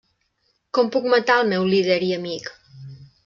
Com puc matar el meu líder i amic?